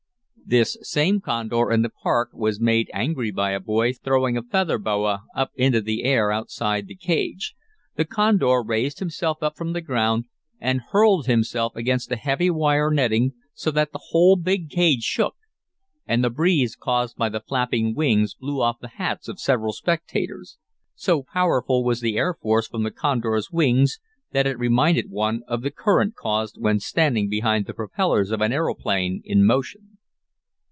This same condor in the park was made angry by a boy throwing a feather boa up into the air outside the cage. The condor raised himself from the ground, and hurled himself against the heavy wire netting so that the whole, big cage shook. And the breeze caused by the flapping wings blew off the hats of several spectators. So powerful was the air force from the condor's wings that it reminded one of the current caused when standing behind the propellers of an aeroplane in motion.